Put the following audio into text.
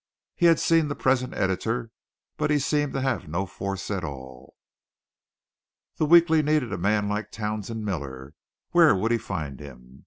He had seen the present editor, but he seemed to have no force at all. The weekly needed a man like Townsend Miller where would he find him?